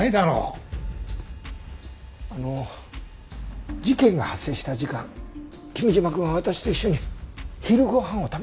あの事件が発生した時間君嶋くんは私と一緒に昼ご飯を食べてました。